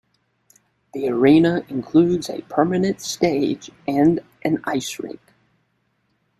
The arena includes a permanent stage, and a ice rink.